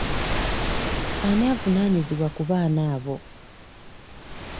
Ani avunaanyizibwa ku baana abo?